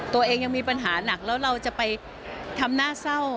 ตัวเองยังมีปัญหาหนักแล้วเราจะไปทำหน้าเศร้า